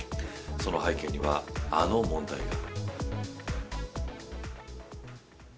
その背景には、あの問題が。